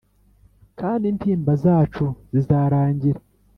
kandi intimba zacu zizarangira,